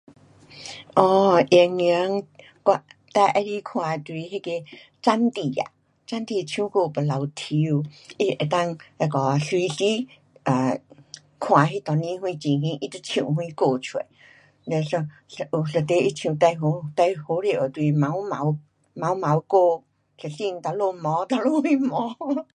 哦，演员，我最喜欢看到就是那个张弟啊，张弟唱歌又滑稽，它能够那个啊随时，啊，看那当时什情形，他就唱什歌出。嘞，一，一，有一题他唱最好，最好笑的就是毛毛，毛毛歌。一身哪里毛，哪里什毛。